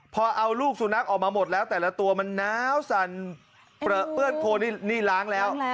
พอเอาลูกสุนัขออกมาหมดแล้วแต่ละตัวมันน้าวสั่นเปลือเปื้อนโคนนี่ล้างแล้ว